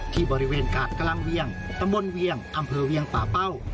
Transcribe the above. ที่บริเวณกาดกำลังเวียงตำบลเวียงอำเภอเวียงป่าเป้า